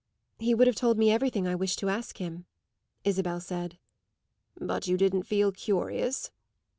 "He would have told me everything I wished to ask him," Isabel said. "But you didn't feel curious?"